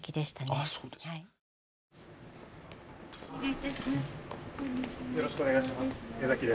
よろしくお願いします江です。